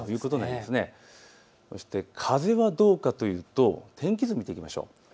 風はどうかというと天気図、見ていきましょう。